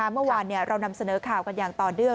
เมื่อวานเรานำเสนอข่าวกันอย่างต่อเนื่อง